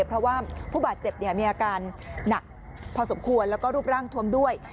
เพราะว่าผู้บาดเจ็บมีอาการหนักพอสมควรแล้วก็รูปร่างทวมด้วย